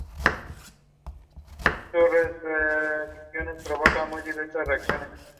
Clark dejó Washington D. C. y nunca volvió.